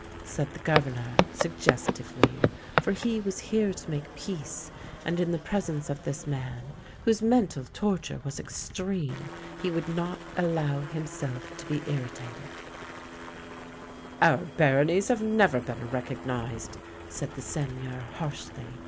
" said the Governor suggestively, for he was here to make peace, and in the presence of this man, whose mental torture was extreme, he would not allow him self to be irritated. 10 THE LANE THAT HAD NO TURNING " Our baronies have never been recognised !" said the Seigneur harshly.